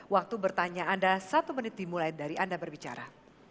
waktu bertanya anda satu menit dimulai dari anda berbicara